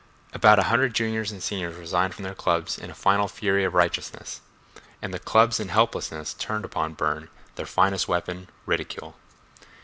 About a hundred juniors and seniors resigned from their clubs in a final fury of righteousness, and the clubs in helplessness turned upon Burne their finest weapon: ridicule.